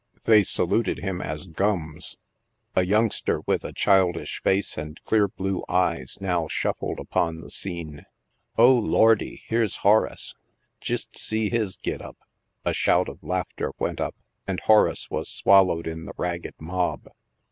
They saluted him as " Gams." A youngster, with a childish face and clear blue eyes, now shuffled upon the scene. " Lordy, here's Horace, jist see his git up." A shout of laugh ter went up and Horace was swallowed in the ragged mob.